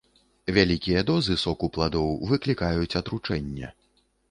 Вялікія дозы соку пладоў выклікаюць атручэнне.